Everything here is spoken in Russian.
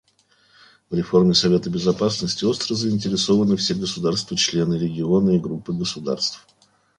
«В реформе Совета Безопасности остро заинтересованы все государства-члены, регионы и группы государств.